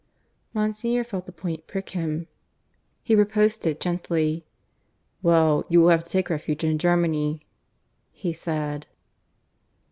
Monsignor felt the point prick him. He riposted gently. "Well, you will have to take refuge in Germany," he said.